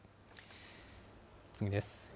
次です。